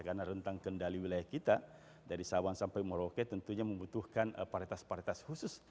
karena rentang kendali wilayah kita dari sawan sampai merauke tentunya membutuhkan varietas varietas khusus